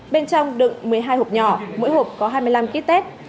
bên trong đựng một mươi hai hộp nhỏ mỗi hộp có hai mươi năm kít tét